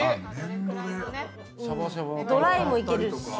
ドライもいけるし。